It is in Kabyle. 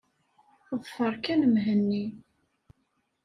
Ḍfer kan Mhenni.